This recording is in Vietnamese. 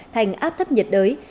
thành áp thấp nhiệt đới